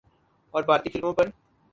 اور بھارتی فلموں پر